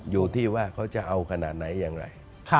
อยู่ที่ว่าเขาจะเอาขนาดไหนอย่างไร